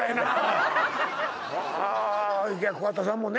桑田さんもね